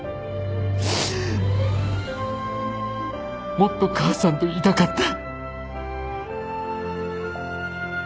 もっと母さんといたかった。